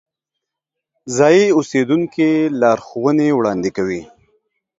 ځایی اوسیدونکي لارښوونې وړاندې کوي.